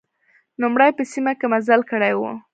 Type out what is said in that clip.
نوموړي په سیمه کې مزل کړی و.